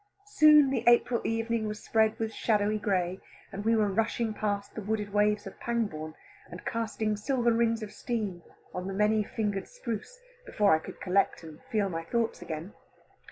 Soon the April evening was spread with shadowy gray, and we were rushing past the wooded waves of Pangbourne, and casting silver rings of steam on the many fingered spruce, before I could collect and feel my thoughts again.